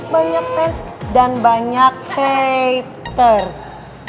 banyak face dan banyak haters